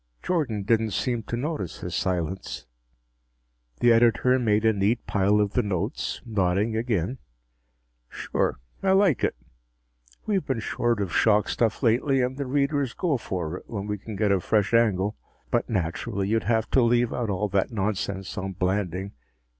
Jordan didn't seem to notice his silence. The editor made a neat pile of the notes, nodding again. "Sure. I like it. We've been short of shock stuff lately and the readers go for it when we can get a fresh angle. But naturally you'd have to leave out all that nonsense on Blanding.